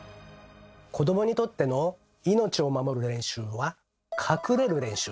子どもにとっての「命を守る練習」は「隠れる練習」。